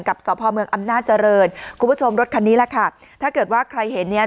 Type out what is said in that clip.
สพเมืองอำนาจริงคุณผู้ชมรถคันนี้แหละค่ะถ้าเกิดว่าใครเห็นเนี่ย